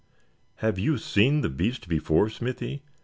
"Have you seen the beast before, Smithy?"